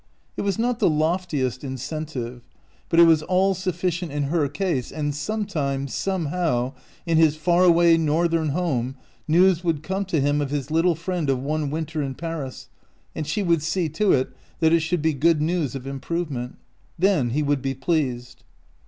It was not the loftiest incentive, but it was all sufficient in her case, and some time, somehow, in his far away Northern home, news would come to him of his little friend of one winter in Paris, and she would see to it that it should be good news of improvement. Then he would be pleased.